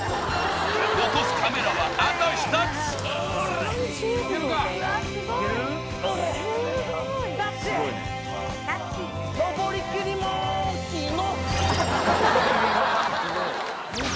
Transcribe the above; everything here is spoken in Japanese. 残すカメラはあと１つタッチ登りきりまーきの！